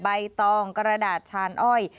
ใบตองกระดาษชานอ้อย